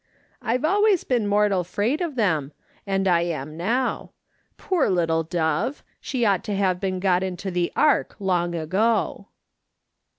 " I've always been mortal 'fraid of them, and I am now. Poor little dove ! she ought to have been got into the ark long ago."